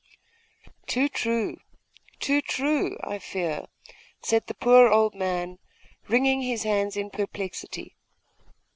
'Too true too true! I fear,' said the poor old man, wringing his hands in perplexity.